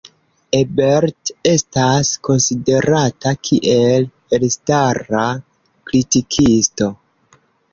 Ebert estas konsiderata kiel elstara kritikisto.